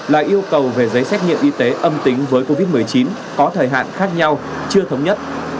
là yêu cầu về giấy xét nghiệm y tế âm tính với covid một mươi chín có thời hạn khác nhau chưa thống nhất